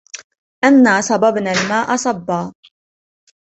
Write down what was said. أَنَّا صَبَبْنَا الْمَاء صَبًّا